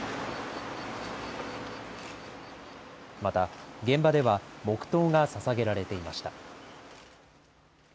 また現場では黙とうがささげられていました。